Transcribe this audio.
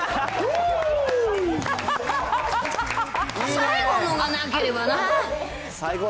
最後のがなければな。